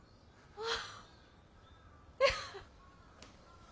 ああ。